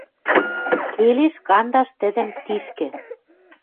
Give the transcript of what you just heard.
Келеш кандаш тӹдӹм тишкӹ